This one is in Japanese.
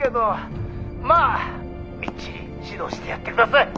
まあみっちり指導してやってください。